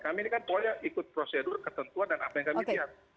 kami ini kan ikut prosedur ketentuan dan apa yang kami lihat